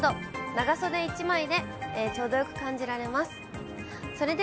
長袖１枚でちょうどよく感じられます。